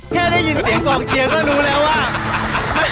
แค่ได้ยินเสียงกองเชียร์ก็รู้แล้วว่า